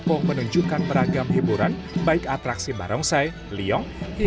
kemarin pun tanya ya mungkin saya tidak tahu betul hari ini